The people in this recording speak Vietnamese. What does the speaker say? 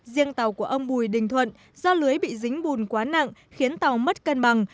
riêng tàu của ông bùi đình thuận do lưới bị dính bùn quá nặng khiến tàu mất cân bằng